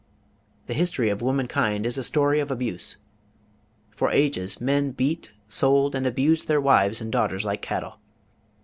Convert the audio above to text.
The history of womankind is a story of abuse. For ages men beat, sold, and abused their wives and daughters like cattle.